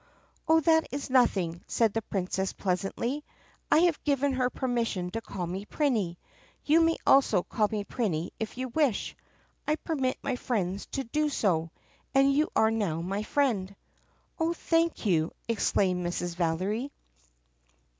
" "Oh, that is nothing," said the Princess pleasantly. "I have given her permission to call me 'Prinny.' You may also call me 'Prinny,' if you wish. I permit my friends to do so, and you are now my friend." "Oh, thank you," exclaimed Mrs. Valery.